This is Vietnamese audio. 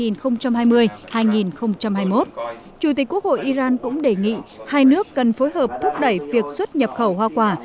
năm hai nghìn hai mươi một chủ tịch quốc hội iran cũng đề nghị hai nước cần phối hợp thúc đẩy việc xuất nhập khẩu hoa quả